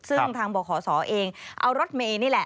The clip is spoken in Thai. ซึ่งทางบขศเองเอารถเมย์นี่แหละ